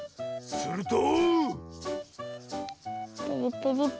すると。